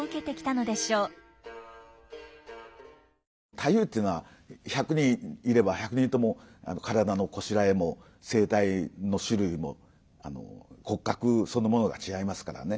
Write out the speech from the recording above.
太夫っていうのは１００人いれば１００人とも体のこしらえも声帯の種類も骨格そのものが違いますからね。